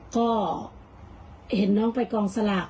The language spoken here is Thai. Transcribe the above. ก็เห็นน้องไปกองสลาก